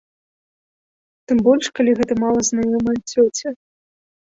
Тым больш калі гэта малазнаёмая цёця.